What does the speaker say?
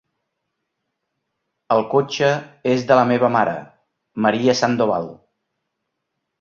El cotxe és de la meva mare, Maria Sandoval.